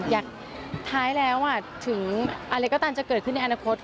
ท้ายแล้วถึงอะไรก็ตามจะเกิดขึ้นในอนาคต